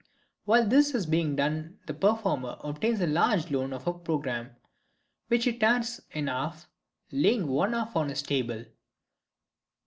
While this is being done the performer obtains the loan of a programme, which he tears in half, laying one half on his table.